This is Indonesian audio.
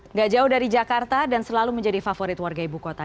nggak jauh dari jakarta dan selalu menjadi favorit warga ibu kota